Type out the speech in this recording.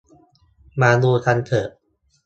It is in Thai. มาดูกันเถอะ